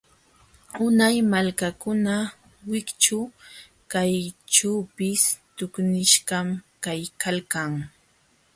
Unay malkakuna wikćhu kayćhuupis tuqnishqam kaykalkan.